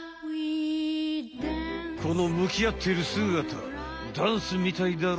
このむきあっているすがたダンスみたいだろ？